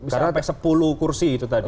karena sepuluh kursi itu tadi